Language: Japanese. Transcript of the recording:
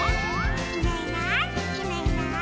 「いないいないいないいない」